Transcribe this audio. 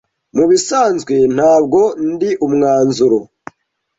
Mubisanzwe ntabwo ndi umwanzuro.